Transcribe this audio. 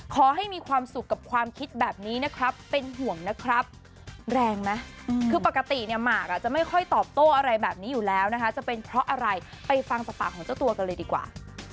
ขอให้มีความสุขกับความคิดแบบนี้นะครับเป็นห่วงนะครับแรงไหมคือปกติเนี่ยหมากจะไม่ค่อยตอบโต้อะไรแบบนี้อยู่แล้วนะคะจะเป็นเพราะอะไรไปฟังจากปากของเจ้าตัวกันเลยดีกว่า